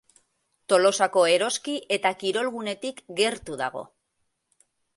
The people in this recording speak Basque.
Tolosako Eroski eta kirolgunetik gertu dago.